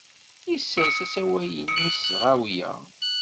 Yessers asawal-nni s tɣawla.